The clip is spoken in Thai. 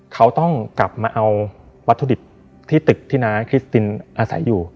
เขาต้องกลับมาเอาวัตถุดิบที่ตึกที่น้าคริสตินอาศัยอยู่